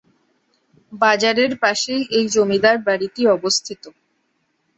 বাজারের পাশেই এই জমিদার বাড়িটি অবস্থিত।